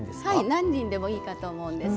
何輪でもいいかと思うんです。